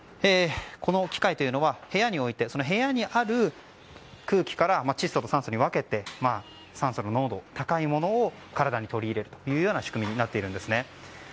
この機械は、部屋に置いてその部屋にある空気から窒素と酸素に分けて酸素の濃度、高いものを体に取り入れるという仕組みになっているんですね。